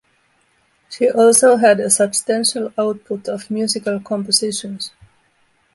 She also had a substantial output of musical compositions.